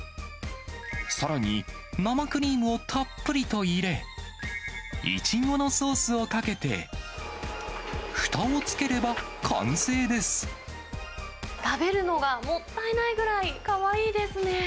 さらに、生クリームをたっぷりと入れ、いちごのソースをかけて、ふたを食べるのがもったいないぐらい、かわいいですね。